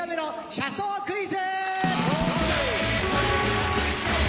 車窓クイズ。